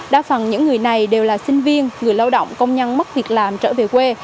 đa phần những người này đều là sinh viên người lao động công nhân mất việc làm trở về quê